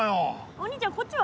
お兄ちゃんこっちは？